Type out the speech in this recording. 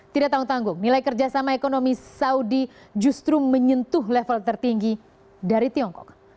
tidak tanggung tanggung nilai kerjasama ekonomi saudi justru menyentuh level tertinggi dari tiongkok